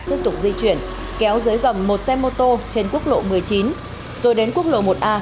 liên tục di chuyển kéo dưới gầm một xe mô tô trên quốc lộ một mươi chín rồi đến quốc lộ một a